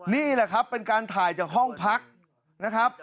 นี่แหละครับเป็นการถ่ายจากห้องพักนะครับ